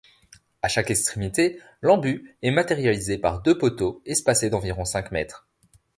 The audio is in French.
À chaque extrémité, l'en-but est matérialisé par deux poteaux, espacés d'environ cinq mètres.